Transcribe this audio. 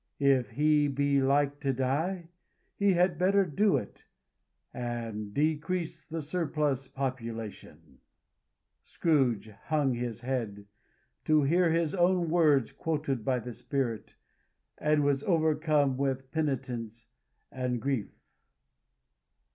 If he be like to die, he had better do it, and decrease the surplus population." Scrooge hung his head to hear his own words quoted by the Spirit, and was overcome with penitence and grief.